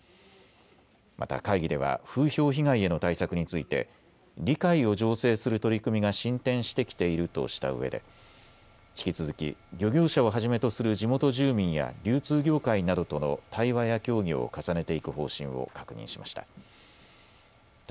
また会議では風評被害への対策について理解を醸成する取り組みが進展してきているとしたうえで引き続き漁業者をはじめとする地元住民や流通業界などとの対話や協議を重ねていく方針を確認しました。